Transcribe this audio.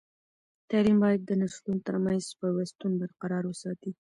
تعلیم باید د نسلونو ترمنځ پیوستون برقرار وساتي.